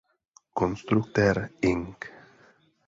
Konstruktér ing.